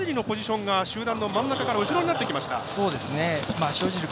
塩尻のポジションが集団の真ん中から後ろになってきました。